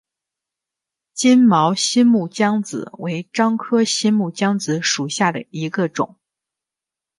金毛新木姜子为樟科新木姜子属下的一个种。